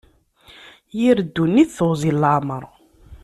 Yir ddunit teɣzi n leɛmer.